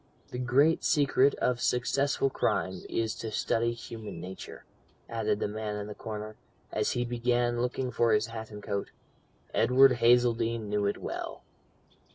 The great secret of successful crime is to study human nature," added the man in the corner, as he began looking for his hat and coat. "Edward Hazeldene knew it well."